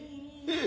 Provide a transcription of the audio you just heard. ええ。